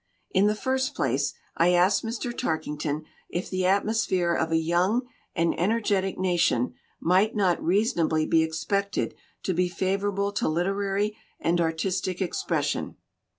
In the first place, I asked Mr. Tarkington if the atmosphere of a young and energetic nation might not reasonably be expected to be favorable to literary and artistic expression.